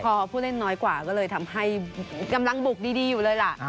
พอผู้เล่นน้อยกว่าก็เลยทำให้กำลังบุกดีอยู่เลยล่ะ